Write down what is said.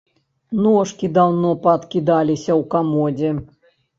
Ножкі даўно паадкідаліся ў камодзе.